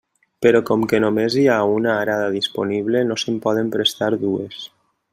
Però com que només hi ha una arada disponible, no se'n poden prestar dues.